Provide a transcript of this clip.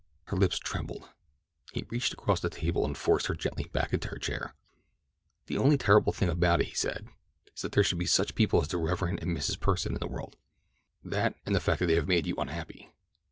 Her lips trembled. He reached across the table and forced her gently back into her chair. "The only terrible thing about it," he said, "is that there should be such people as the Rev. and Mrs. Pursen in the world. That, and the fact that they have made you unhappy.''